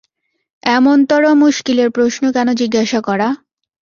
এমনতরো মুশকিলের প্রশ্ন কেন জিজ্ঞাসা করা?